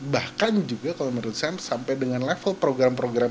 bahkan juga kalau menurut saya sampai dengan level program program